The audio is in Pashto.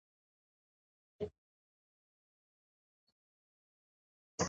دوی په دې اړه بحث کوي.